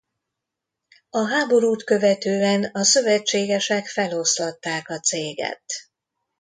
A háborút követően a szövetségesek feloszlatták a céget.